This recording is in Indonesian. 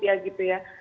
ya gitu ya